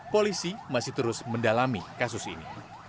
polisi masih terus mendalami kasus ini